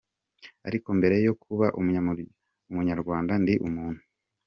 Ariko mbere yo kuba umunyarwanda, ndi umuntu.